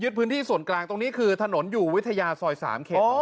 พื้นที่ส่วนกลางตรงนี้คือถนนอยู่วิทยาซอย๓เขต